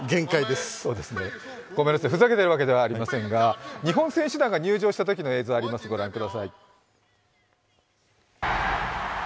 ごめんなさい、ふざけているわけではありませんが日本選手団が入場したときの映像あります、ご覧ください。